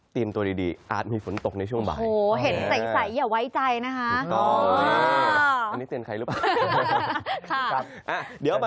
เตรียมตัวดีอาจมีฝนตกในช่วงบ่าย